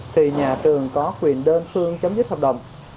thì nhà trường có quyền đơn phương chấm dứt hợp đồng